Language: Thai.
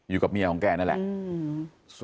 อยู่กับเมียของแกนั่นแหละ